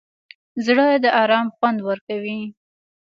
زړه د ارام خوند ورکوي.